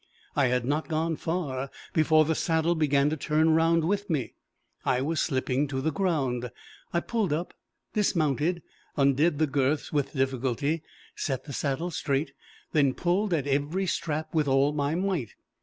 I had not gone far before the saddle began to turn round with me; I was slipping to the ground. I pulled up, dismounted, undid the girths with difficulty, set the saddle straight, then pulled at every strap with all my might.